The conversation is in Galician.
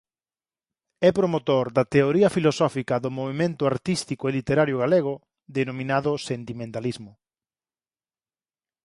É promotor da teoría filosófica do movemento artístico e literario galego denominado sentimentalismo.